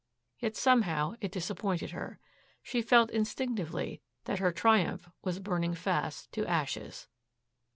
Yet, somehow, it disappointed her. She felt instinctively that her triumph was burning fast to ashes.